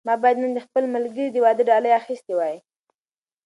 ما باید نن د خپل ملګري د واده ډالۍ اخیستې وای.